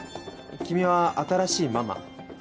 君は新しいママ？